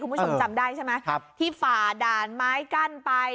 คุณผู้ชมจำได้ใช่ไหมครับที่ฝ่าด่านไม้กั้นไป